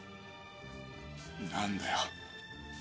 何だよ？